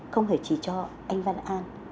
không phải chỉ cho anh vân đan